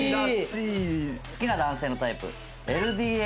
好きな男性のタイプ。